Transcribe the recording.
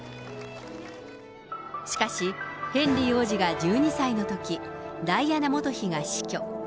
しかし、ヘンリー王子が１２歳のとき、ダイアナ元妃が死去。